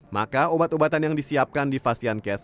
maka obat obatan yang disiapkan di vasian cas